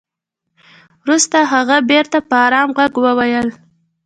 وروسته هغه بېرته په ارام ږغ وويل.